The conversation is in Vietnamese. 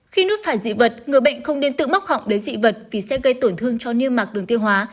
khi nuốt phải dị vật người bệnh không nên tự móc họng đến dị vật vì sẽ gây tổn thương cho niêm mạc đường tiêu hóa